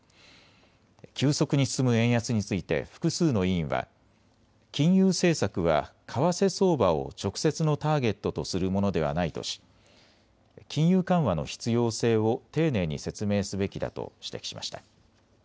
急速に進む円安について複数の委員は金融政策は為替相場を直接のターゲットとするものではないとし金融緩和の必要性を丁寧に説明すべきだと指摘しました。